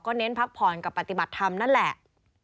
เน้นพักผ่อนกับปฏิบัติธรรมนั่นแหละ